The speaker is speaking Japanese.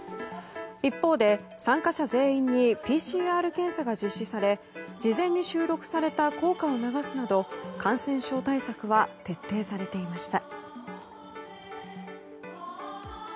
一方で参加者全員にＰＣＲ検査が実施され事前に収録された校歌を流すなど感染症対策は徹底されていました。